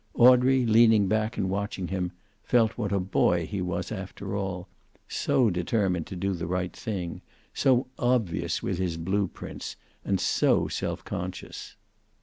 Audrey, leaning back and watching him, felt what a boy he was after all, so determined to do the right thing, so obvious with his blue prints, and so self conscious.